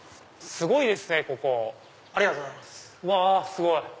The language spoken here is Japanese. すごいな！